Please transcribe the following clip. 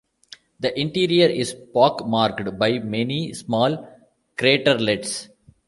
The interior is pock-marked by many small craterlets.